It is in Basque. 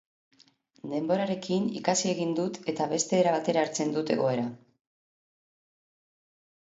Denborarekin, ikasi egin dut eta beste era batera hartzen dut egoera.